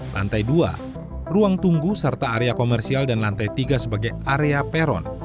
lantai dua ruang tunggu serta area komersial dan lantai tiga sebagai area peron